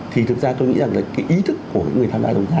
thì thực ra tôi nghĩ rằng là cái ý thức của cái người tham gia đấu giá